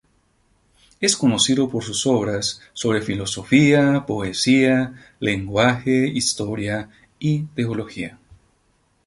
Es conocido por sus obras sobre filosofía, poesía, lenguaje, historia, y teología.